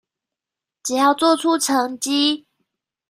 只要做出成績